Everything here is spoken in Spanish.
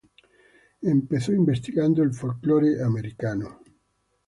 Empezó investigando el folklor americano.